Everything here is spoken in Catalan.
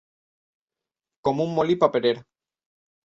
Com un molí paperer.